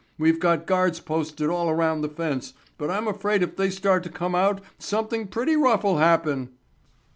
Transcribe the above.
We've got guards posted all around the fence, but I'm afraid if they start to come out something pretty rough'll happen."